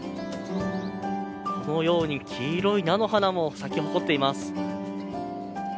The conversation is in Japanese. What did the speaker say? このように黄色い菜の花も咲き誇っています。